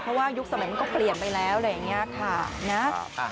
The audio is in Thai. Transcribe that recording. เพราะว่ายุคสมัยมันก็เปลี่ยนไปแล้วอะไรอย่างนี้ค่ะนะ